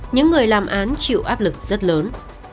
những người làm án chịu áp lực rất lớn